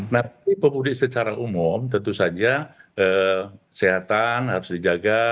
nah untuk pengemudi secara umum tentu saja sehatan harus dijaga